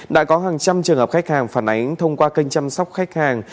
đã có hàng trăm trường hợp khách hàng phản ánh thông qua kênh chăm sóc khách hàng